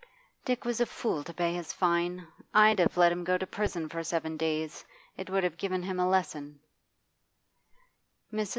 'Dick was a fool to pay his fine. I'd have let him go to prison for seven days; it would have given him a lesson.